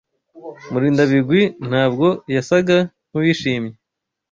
Murindabigwi ntabwo yasaga nkuwishimye.